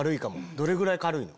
どれぐらい軽いの？